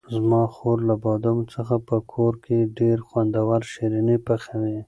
زما خور له بادامو څخه په کور کې ډېر خوندور شیریني پخوي.